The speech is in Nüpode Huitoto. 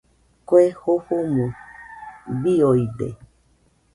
Kue jofomo biooide.